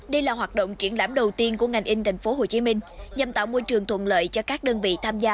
đây là hoạt động triển lãm đầu tiên của ngành in tp hcm nhằm tạo môi trường thuận lợi cho các đơn vị tham gia